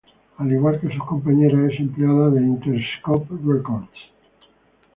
Al igual que sus compañeras, es empleada de Interscope Records.